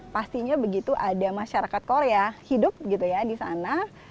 pastinya begitu ada masyarakat korea hidup di sana